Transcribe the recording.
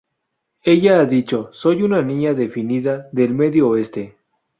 Ella ha dicho: "Soy una niña definida del Medio Oeste.